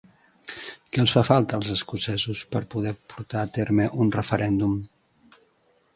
Què els fa falta als escocesos per poder portar a terme un referèndum?